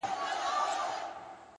هڅه د ناکامۍ درملنه ده.